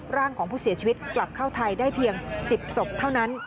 ร่างของผู้เสียชีวิตกลับเข้าไทยได้เพียง๑๐ศพเท่านั้น